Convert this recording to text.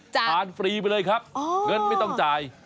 ฟรีไปเลยครับเงินไม่ต้องจ่าย